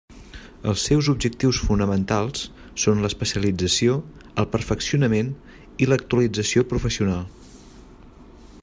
Els seus objectius fonamentals són l'especialització, el perfeccionament i l'actualització professional.